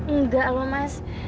enggak loh mas